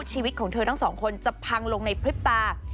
ชีวิตของเธอทั้งสองคนจะพังลงในพริบตา